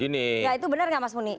nah itu benar nggak mas muni